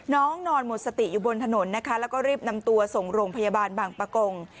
น้องนอนหมดสติอยู่บนถนนนะคะแล้วก็รีบนำตัวส่งโรงพยาบาลบางประกง